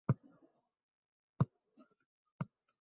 So'raydi va kamchiligi borligini biladi.